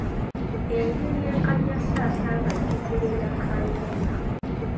Enju ye Kannyakassasa ng'ajjukira eya Kayemba.